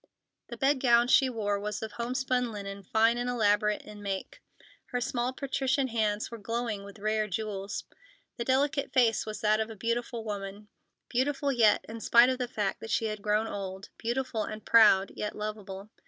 The bed gown she wore was of homespun linen, fine and elaborate in make; her small, patrician hands were glowing with rare jewels. The delicate face was that of a beautiful woman; beautiful yet, in spite of the fact that she had grown old; beautiful and proud, yet lovable.